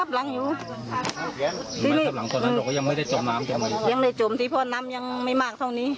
หลังตอนนั้นเราก็ยังไม่ได้จมน้ำยังได้จมสิเพราะน้ำยังไม่มากเท่านี้